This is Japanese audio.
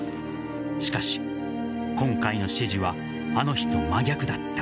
しかし、今回の指示はあの日と真逆だった。